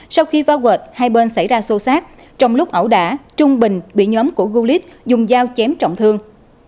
sau khi vao quệt hai bên xảy ra xô xác trong lúc ẩu đả trung bình bị nhóm của hulit dùng dao chém trọng thương